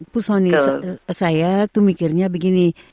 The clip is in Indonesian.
bu soni saya tuh mikirnya begini